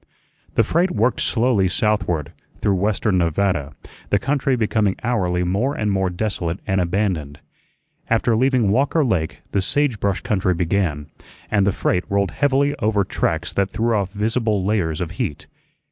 The freight worked slowly southward, through western Nevada, the country becoming hourly more and more desolate and abandoned. After leaving Walker Lake the sage brush country began, and the freight rolled heavily over tracks that threw off visible layers of heat.